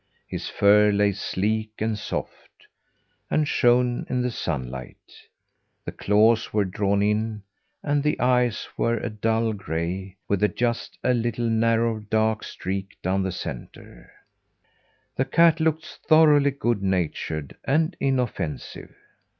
His fur lay sleek and soft, and shone in the sunlight. The claws were drawn in, and the eyes were a dull gray, with just a little narrow dark streak down the centre. The cat looked thoroughly good natured and inoffensive.